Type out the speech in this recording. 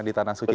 di tanah suci